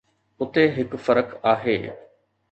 اتي هڪ فرق آهي.